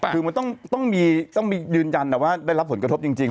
คือมันต้องยืนยันว่าได้รับผลกระทบจริง